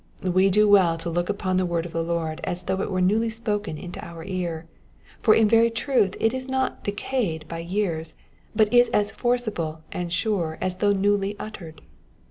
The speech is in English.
We do well to look upon the word of the Lord as though it were newly spoken into our ear ; for in very truth it is not decayed by years, but is as forcible and sure as though newly uttered.